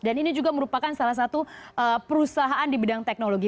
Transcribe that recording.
dan ini juga merupakan salah satu perusahaan di bidang teknologi